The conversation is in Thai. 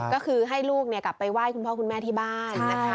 ก็คือให้ลูกกลับไปไหว้คุณพ่อคุณแม่ที่บ้านนะคะ